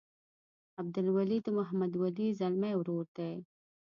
عبدالولي د محمد ولي ځلمي ورور دی.